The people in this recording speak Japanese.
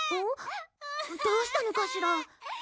どうしたのかしら？